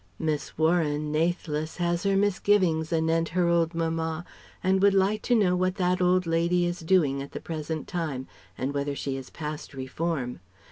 Miss Warren, nathless, has her misgivings anent her old mamma, and would like to know what that old lady is doing at the present time, and whether she is past reform.